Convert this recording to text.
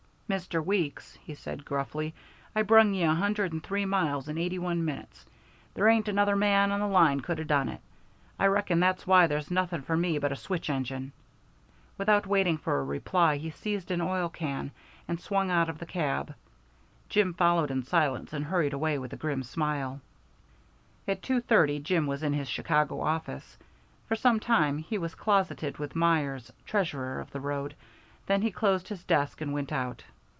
"Mr. Weeks," he said gruffly, "I brung ye a hundred and three mile in eighty one minutes. There ain't another man on the line could 'a' done it. I reckon that's why there's nothing for me but a switch engine." Without waiting for a reply he seized an oil can and swung out of the cab. Jim followed in silence, and hurried away with a grim smile. At two thirty Jim was in his Chicago office. For some time he was closeted with Myers, treasurer of the road, then he closed his desk and went out.